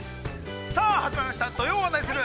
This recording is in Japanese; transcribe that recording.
さあ始まりました「土曜はナニする！？」。